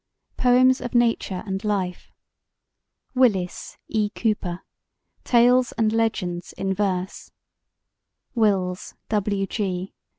Poems of Nature and Life WILLIS, E. COOPER: Tales and Legends in Verse WILLS, W. G.